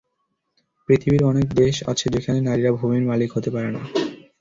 পৃথিবীর অনেক দেশ আছে যেখানে নারীরা ভূমির মালিক হতে পারেন না।